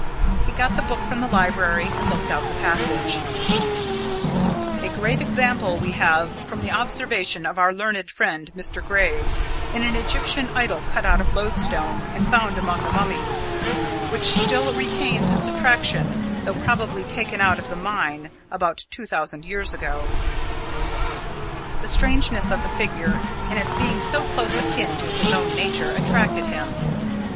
He got the book from the library, and looked out the passage: "A great example we have from the observation of our learned friend Mr. Graves, in an AEgyptian idol cut out of Loadstone and found among the Mummies; which still retains its attraction, though probably taken out of the mine about two thousand years ago." The strangeness of the figure, and its being so close akin to his own nature, attracted him.